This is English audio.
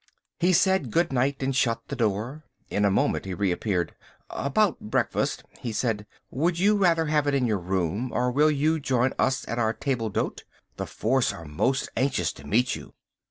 He said good night and shut the door. In a moment he reappeared. "About breakfast?" he said. "Would you rather have it in your room, or will you join us at our table d'hote? The force are most anxious to meet you."